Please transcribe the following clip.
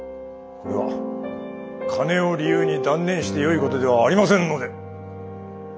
これは金を理由に断念してよいことではありませんので。